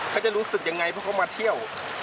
เขาจะรู้สึกยังไงเพราะเขามาเที่ยว